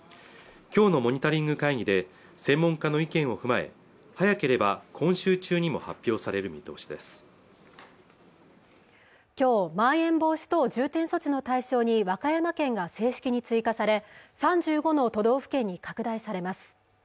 今日のモニタリング会議で専門家の意見を踏まえ早ければ今週中にも発表される見通しです今日まん延防止等重点措置の対象に和歌山県が正式に追加され３５の都道府県に拡大されます